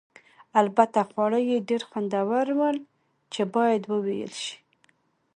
البته خواړه یې ډېر خوندور ول چې باید وویل شي.